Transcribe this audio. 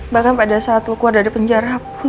bahkan pada saat aku keluar dari penjara pun